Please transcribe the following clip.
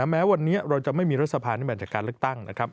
แม้วันนี้เราจะไม่มีรัฐสภาที่มาจากการเลือกตั้งนะครับ